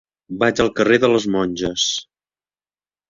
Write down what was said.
Vaig al carrer de les Monges.